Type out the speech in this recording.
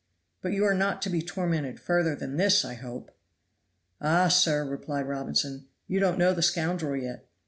"But you are not to be tormented further than this, I hope?" "Ah, sir!" replied Robinson, "you don't know the scoundrel yet.